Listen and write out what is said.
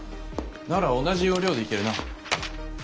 なら同じ要領でいけるな。